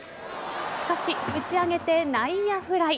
しかし、打ち上げて内野フライ。